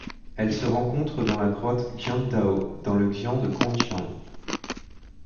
Elle se rencontre dans la grotte Qiangdao dans le xian de Congjiang.